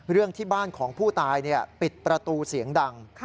เรื่องที่บ้านของผู้ตายปิดประตูเสียงดัง